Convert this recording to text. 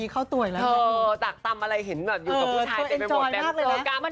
เออตรากตรำอะไรเห็นแบบอยู่กับผู้ชายไปหมด